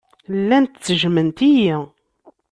Llant ttejjment-iyi.